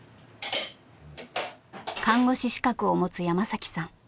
看護師資格を持つ山さん。